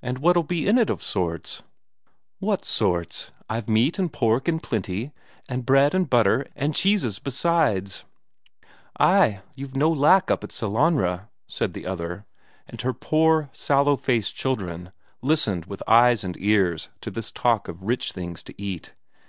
"And what'll be in it of sorts?" "What sorts? I've meat and pork in plenty, and bread and butter and cheese besides." "Ay, you've no lack up at Sellanraa," said the other; and her poor, sallow faced children listened with eyes and ears to this talk of rich things to eat.